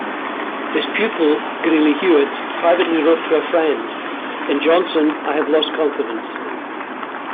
His pupil Graily Hewitt privately wrote to a friend:In Johnston I have lost confidence.